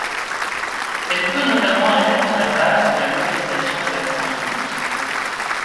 Elle peut notamment être à la base de la localisation de l'accent tonique.